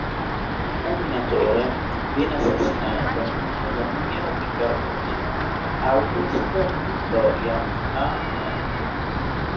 Un minatore viene assassinato nella miniera di carbone Auguste-Victoria, a Marl.